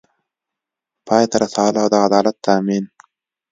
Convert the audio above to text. پای ته رسول او د عدالت تامین